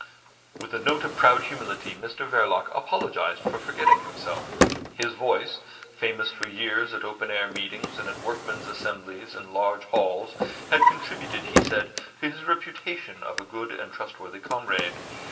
With a note of proud humility Mr Verloc apologised for forgetting himself. His voice,—famous for years at open air meetings and at workmen's assemblies in large halls, had contributed, he said, to his reputation of a good and trustworthy comrade.